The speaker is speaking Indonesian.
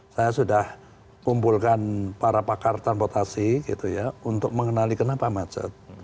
saya sudah kumpulkan para pakar transportasi gitu ya untuk mengenali kenapa macet